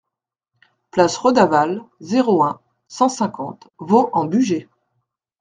Place Redavalle, zéro un, cent cinquante Vaux-en-Bugey